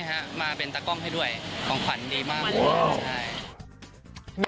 ก็เนี่ยฮะมาเป็นตากล้องให้ด้วยของขวัญดีมาก